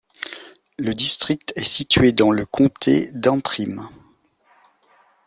Le district est situé dans le comté d'Antrim.